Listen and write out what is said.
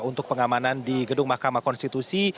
untuk pengamanan di gedung mahkamah konstitusi